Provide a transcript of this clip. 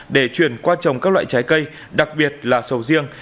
để chuyển qua trồng các loại trái cây đặc biệt là sầu riêng